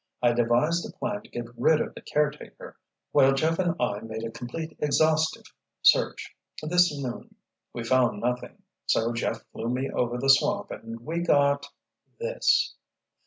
I devised a plan to get rid of the caretaker while Jeff and I made a complete, exhaustive search, this noon. We found nothing; so Jeff flew me over the swamp and we got—this."